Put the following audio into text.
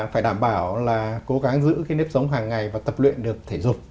phải đảm bảo là cố gắng giữ cái nếp sống hàng ngày và tập luyện được thể dục